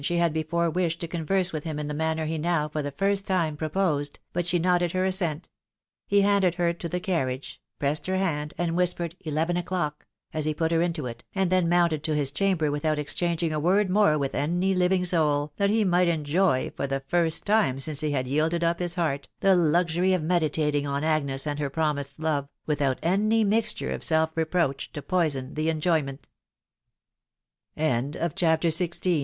477 she had before wished to converse with him in the manner he now for the first time proposed, but she nodded her assent ; he handed her to the carriage, pressed her hand, and whispered "eleven o'clock" as he put her into it, and then mounted to his chamber without exchanging a word more with any living soul, that he might enjoy, for the first time since he had yielded up his heart, the luxury of meditating on Agnes and her promised love, without any mixtur